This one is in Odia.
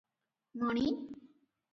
ମଣି!